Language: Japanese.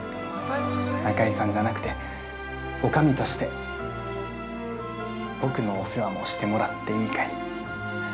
仲居さんじゃなくておかみとして、僕のお世話もしてもらっていいかい？